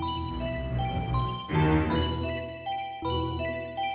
terima kasih pak bahasa legal